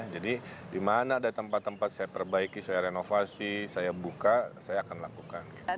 di mana ada tempat tempat saya perbaiki saya renovasi saya buka saya akan lakukan